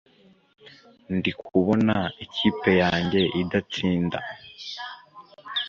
ndikubona ikipe yange idatsinda